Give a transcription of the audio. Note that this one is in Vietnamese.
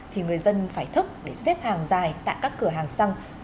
thì người dân phải thức để xếp hàng dài tại các cửa hàng xăng